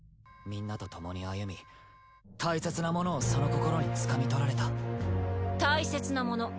みんなと共に歩み大切なものをその心につかみとられた。